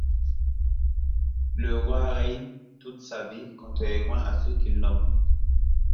Le roi règne toute sa vie, contrairement à ceux qu'il nomme.